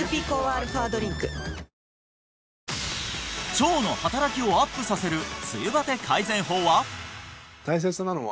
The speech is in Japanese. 腸の動きをアップさせる梅雨バテを改善方法は？